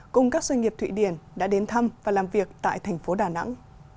cùng các doanh nghiệp thụy điển đã đến thăm và làm việc tại thành phố đà nẵng